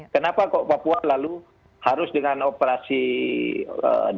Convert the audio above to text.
kenapa kok papua lalu harus dengan operasi itu ya